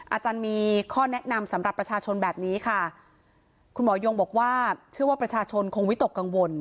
อาจารย์มีข้อแนะนำสำหรับประชาชนแบบนี้ค่ะคุณหมอยงบอกว่าเชื่อว่าประชาชนคงวิตกกังวล